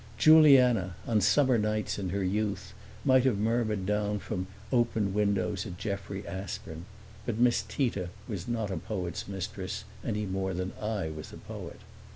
Juliana, on summer nights in her youth, might have murmured down from open windows at Jeffrey Aspern, but Miss Tita was not a poet's mistress any more than I was a poet.